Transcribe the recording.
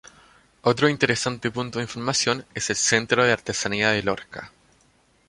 Otro interesante punto de información es el Centro de Artesanía de Lorca.